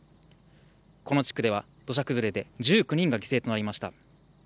この地区では、土砂崩れで１９人が犠牲となりました。